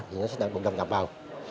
thì nó sẽ đặt một đồng hợp vào